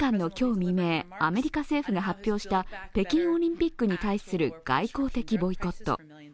未明、アメリカ政府が発表した北京オリンピックに対する外交的ボイコット。